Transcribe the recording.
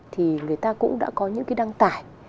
thì người ta cũng đã có những cái đăng tải